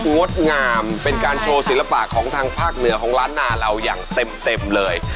งดงามเป็นการโชว์ศิลปะของทางภาคเหนือของล้านนาเราอย่างเต็มเลย